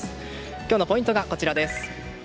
今日のポイントがこちらです。